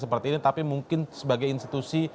seperti ini tapi mungkin sebagai institusi